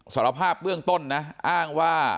สารภาพเบื้องต้นนะอ้างว่า